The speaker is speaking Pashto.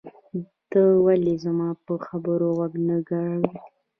ته ولې زما په خبرو غوږ نه ګروې؟